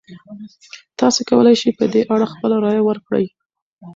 تاسو کولی شئ په دې اړه خپله رایه ورکړئ.